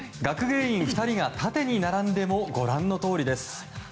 学芸員２人が縦に並んでもご覧のとおりです。